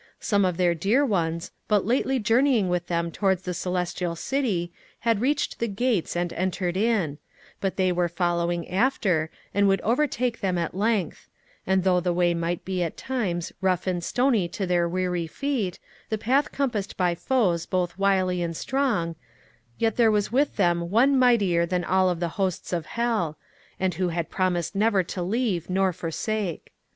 Some of their dear ones, but lately journeying with them towards the Celestial City, had reached the gates and entered in; but they were following after, and would overtake them at length; and, though the way might be at times rough and stony to their weary feet, the path compassed by foes both wily and strong, yet there was with them One mightier than all the hosts of hell, and who had promised never to leave nor forsake.